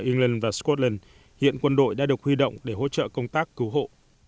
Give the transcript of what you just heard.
england và scotland hiện quân đội đã được huy động để hỗ trợ công tác cứu hộ